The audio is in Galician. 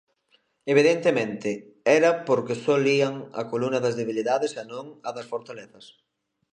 Evidentemente, era porque só lían a columna das debilidades e non a das fortalezas.